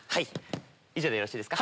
以上でよろしいですか？